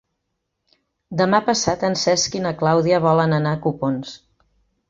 Demà passat en Cesc i na Clàudia volen anar a Copons.